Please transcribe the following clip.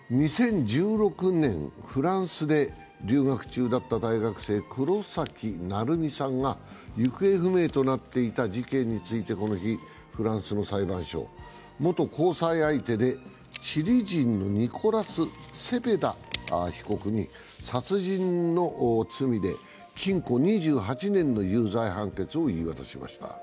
２０１６年、フランスで、留学中だった大学生、黒崎愛海さんが行方不明となっていた事件について、この日、フランスの裁判所は元交際相手でチリ人のニコラス・セペダ被告に殺人の罪で禁錮２８年の有罪判決を言い渡しました。